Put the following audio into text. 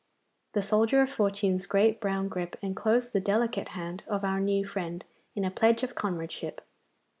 The soldier of fortune's great brown grip enclosed the delicate hand of our new friend in a pledge of comradeship.